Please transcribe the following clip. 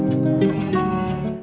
hẹn gặp lại